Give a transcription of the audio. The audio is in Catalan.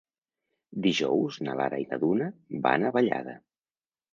Dijous na Lara i na Duna van a Vallada.